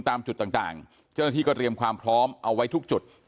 ตามจุดต่างเจ้าหน้าที่ก็เตรียมความพร้อมเอาไว้ทุกจุด